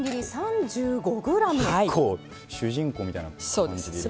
結構主人公みたいな感じで入れますね。